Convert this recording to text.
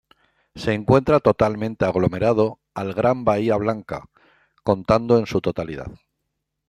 Se encuentra totalmente aglomerado al Gran Bahía Blanca, contando en su totalidad.